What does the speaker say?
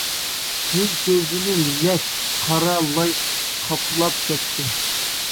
يۈز-كۆزىنى لەش، قارا لاي قاپلاپ كەتتى.